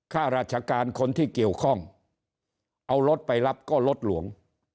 ข้าราชการคนที่เกี่ยวข้องเอารถไปรับก็รถหลวง